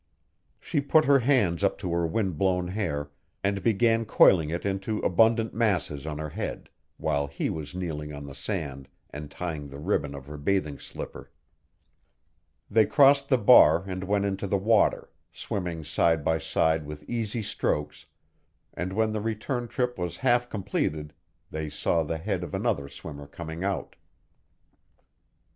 She put her hands up to her wind blown hair and began coiling it into abundant masses on her head, while he was kneeling on the sand and tying the ribbon of her bathing slipper. They crossed the bar and went into the water, swimming side by side with easy strokes, and when the return trip was half completed they saw the head of another swimmer coming out.